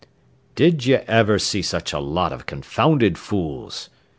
"Did you ever see such a lot o' confounded fools?"